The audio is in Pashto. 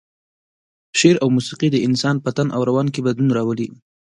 شعر او موسيقي د انسان په تن او روان کې بدلون راولي.